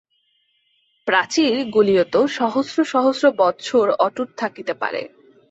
প্রাচীরগুলিও তো সহস্র সহস্র বৎসর অটুট থাকিতে পারে।